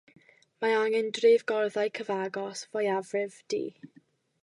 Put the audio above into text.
Mae gan drefgorddau cyfagos fwyafrif du.